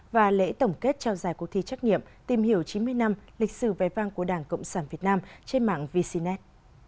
và lễ tổng kết trao giải cuộc thi trắc nghiệm tìm hiểu chín mươi năm lịch sử vẻ vang của đảng cộng sản việt nam trên mạng vcnet